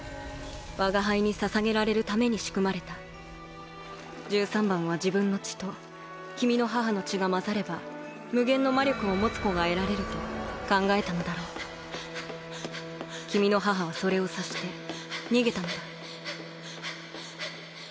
我が輩に捧げられるために仕組まれた十三番は自分の血と君の母の血が混ざれば無限の魔力を持つ子が得られると考えたのだろう君の母はそれを察して逃げたのだはあはあ